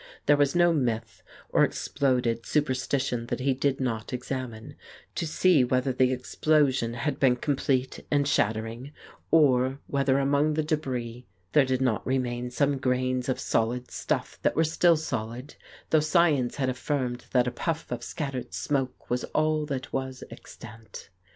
There was no myth or exploded superstition that he did not examine, to see whether the explosion had been com plete and shattering, or whether among the debris 151 The Case of Frank Hampden there did not remain some grains of solid stuff that were still solid, though science had affirmed that a puff of scattered smoke was all that was extant.